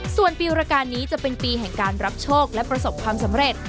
ส่วนปีรการนี้จะเป็นปีแห่งการรับโชคและประสบความสำเร็จ